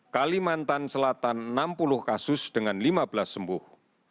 kalimantan selatan enam puluh kasus dengan lima belas sembuh